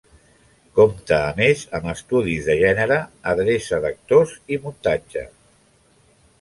Compte a més amb estudis de gènere, adreça d'actors i muntatge.